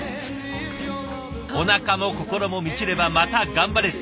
おなかも心も満ちればまた頑張れる。